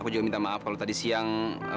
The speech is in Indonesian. aku juga minta maaf kalau tadi siang